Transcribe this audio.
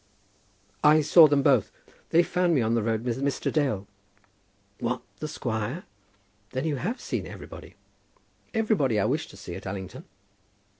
"I saw them both. They found me on the road with Mr. Dale." "What, the squire? Then you have seen everybody?" "Everybody I wished to see at Allington."